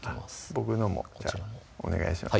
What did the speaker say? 僕のもじゃあお願いします